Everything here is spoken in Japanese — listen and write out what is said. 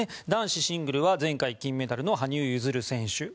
男子シングルは前回金メダルの羽生結弦選手。